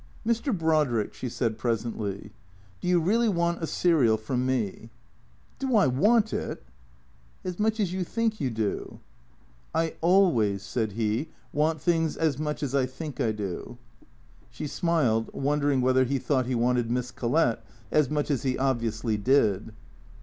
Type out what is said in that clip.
" Mr. Brodrick," she said presently, " do you really want a serial from me ?"" Do I want it !"" As much as you think you do ?"" I always," said he, " want things as much as I think I do." She smiled, wondering whether he thought he wanted Miss Collett as much as he obviously did.